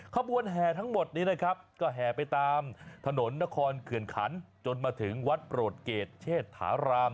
ขบวนแห่ทั้งหมดนี้นะครับก็แห่ไปตามถนนนครเขื่อนขันจนมาถึงวัดโปรดเกรดเชษฐาราม